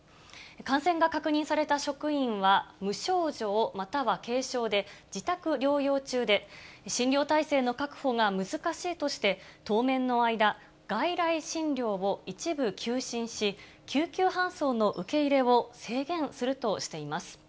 感染が確認された職員は、無症状、または軽症で、自宅療養中で、診療体制の確保が難しいとして、当面の間、外来診療を一部休診し、救急搬送の受け入れを制限するとしています。